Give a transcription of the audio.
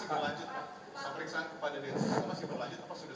pemeriksaan kepada densus itu masih berlanjut